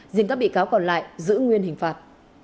dên các bị cáo còn lại giữ nguyên hình phạt